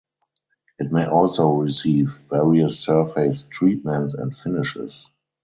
It may also receive various surface treatments and finishes.